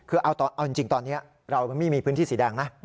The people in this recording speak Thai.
คือเอาจริงตอนนี้เราไม่มีพื้นที่สีแดงนะ